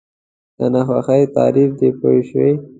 د ناخوښۍ تعریف دی پوه شوې!.